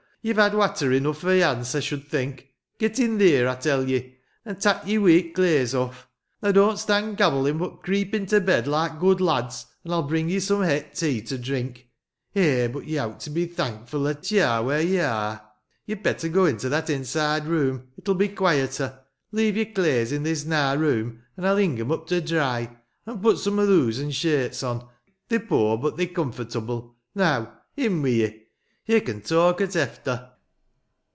Ye've had watter enough for yance, I should think. Get in theer, I tell ye ; an' tak your weet claes off. Now, don't stan' gabblin ; but creep into bed, like good lads; an' I'll bring ye some het tea to drink Eh, but ye owt to be thankful 'at ye are wheer ye are ! Ye'd better go into that inside room. It'll be quieter. Leave your claes i' this nar room, an' I'll hing 'em up to dry. An' put some o' thoose aad shirts on. They're poor, but they're comfortable. Now, in wi' ye ! Ye can talk at efter."